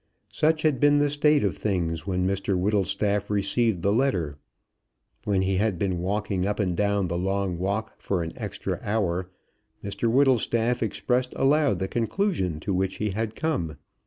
Such had been the state of things when Mr Whittlestaff received the letter. When he had been walking up and down the long walk for an extra hour, Mr Whittlestaff expressed aloud the conclusion to which he had come.